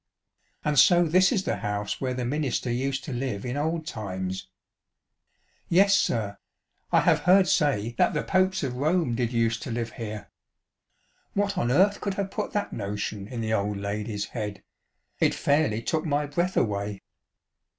''And so this is the house where the minister used to live in old times." " Yes, sir ; I have heard say that the Popes of Rome did use to live here." What on earth could have put that notion in the old lady's head % It fairly took my breath away.